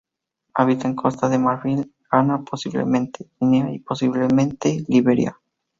Habita en Costa de Marfil, Ghana, posiblemente Guinea y posiblemente Liberia.